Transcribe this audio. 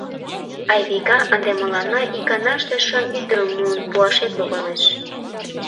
— Айвика, ынде мыланна иканаште шым ӱдырым муын пуашет логалеш.